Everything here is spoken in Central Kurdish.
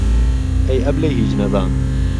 ئەی ئهبلەی هیچ نەزان